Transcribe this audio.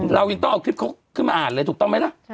เรายังต้องเอาคลิปเขาขึ้นมาอ่านเลยถูกต้องไหมล่ะ